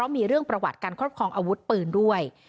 มีเรื่องประวัติการครอบครองอาวุธปืนด้วย